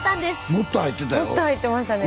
もっと入ってましたね。